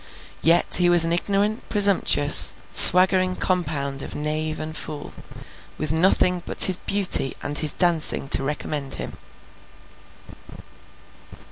Yet he was an ignorant presumptuous, swaggering compound of knave and fool, with nothing but his beauty and his dancing to recommend him.